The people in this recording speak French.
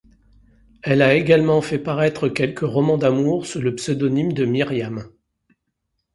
Elle a également fait paraître quelques romans d'amour sous le pseudonyme de Myriam.